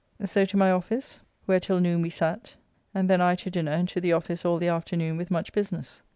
So to my office, where till noon we sat, and then I to dinner and to the office all the afternoon with much business.